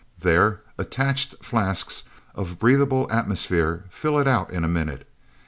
There, attached flasks of breathable atmosphere fill it out in a minute.